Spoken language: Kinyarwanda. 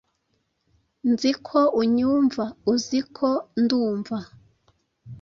Nzi ko unyumva Uzi ko ndumva